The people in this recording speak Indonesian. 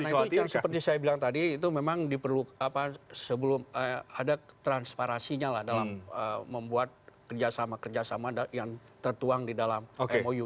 nah itu karena itu seperti yang saya bilang tadi itu memang diperlukan ada transparasinya lah dalam membuat kerjasama kerjasama yang tertuang di dalam mou